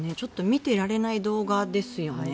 見ていられない動画ですよね。